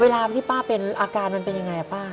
เวลาที่ป้าอาคารเป็นยังไงอะป้า